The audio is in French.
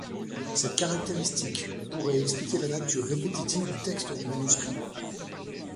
Cette caractéristique pourrait expliquer la nature répétitive du texte du manuscrit.